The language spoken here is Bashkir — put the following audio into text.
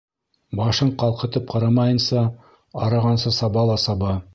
Башын ҡалҡытып ҡарамайынса, арығансы саба ла саба.